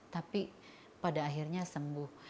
tapi pada akhirnya sembuh